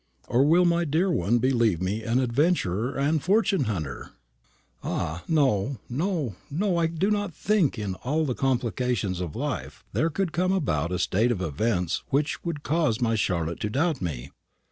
or will my dear one believe me an adventurer and fortune hunter? Ah, no, no, no; I do not think in all the complications of life there could come about a state of events which would cause my Charlotte to doubt me.